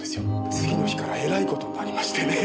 次の日からえらい事になりましてねえ。